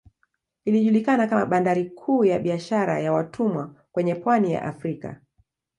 Ilijulikana kama bandari kuu ya biashara ya watumwa kwenye pwani ya Afrika